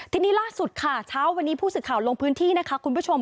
ทีนี้ล่าสุดค่ะเช้าวันนี้ผู้สื่อข่าวลงพื้นที่นะคะคุณผู้ชม